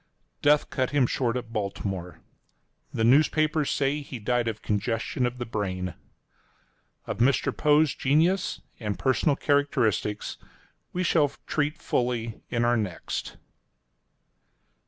Death cut him short at Baltimore. The newspapers say he died of congestion of the brain. Of Mr. Poe's genius and personal characteristics we shall treat fully in our next.